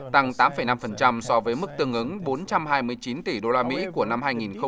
tăng tám năm so với mức tương ứng bốn trăm hai mươi chín tỷ đô la mỹ của năm hai nghìn một mươi sáu